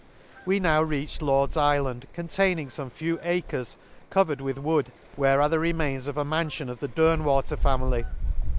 We now reached Lord^s Ifland, con taming fome few \ acres covered with wood, where are the remains of a man fion of the Dernwater family.